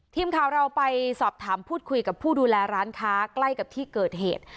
ทีมข่าวเราไปสอบถามพูดคุยกับผู้ดูแลร้านค้าใกล้กับที่เกิดเหตุ